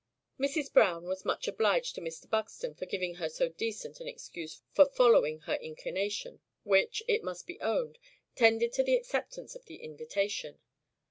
Mrs. Browne was much obliged to Mr. Buxton for giving her so decent an excuse for following her inclination, which, it must be owned, tended to the acceptance of the invitation.